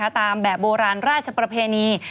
ตามแบบโบราณราชประเพณี